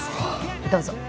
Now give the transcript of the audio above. どうぞ。